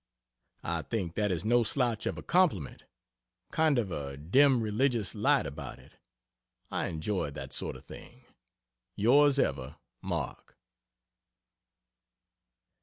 I think that is no slouch of a compliment kind of a dim religious light about it. I enjoy that sort of thing. Yrs ever MARK.